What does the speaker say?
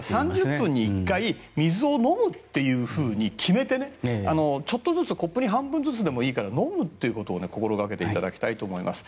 ３０分に１回水を飲むというふうに決めてちょっとずつコップに半分ずつでもいいから飲むということを心掛けていただきたいと思います。